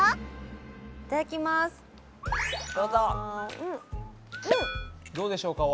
どうでしょうか？